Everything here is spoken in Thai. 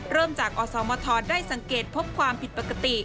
เริ่มจากอสมทได้สังเกตพบความผิดปกติ